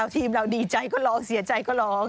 ทีมเราดีใจก็ร้องเสียใจก็ร้อง